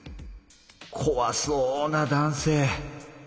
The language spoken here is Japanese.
こわそうな男性。